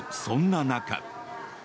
そんな中。